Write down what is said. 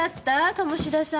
鴨志田さん。